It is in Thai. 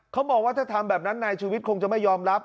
เขามองว่าถ้าทำแบบนั้นนายชูวิทย์คงจะไม่ยอมรับ